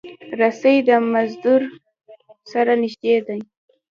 رسۍ د مزدور سره نږدې ده.